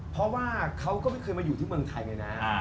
เพราะว่าเขาก็ไม่เคยมาอยู่ที่เมืองไทยเลยนะ